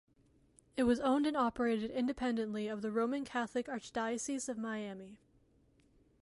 It was owned and operated independently of the Roman Catholic Archdiocese of Miami.